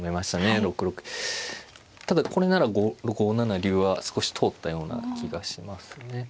ただこれなら５七竜は少し通ったような気がしますね。